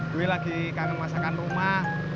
gue lagi kangen masakan rumah